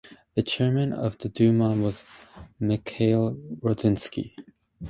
The Chairman of the Duma was Mikhail Rodzianko.